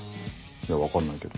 いや分かんないけど。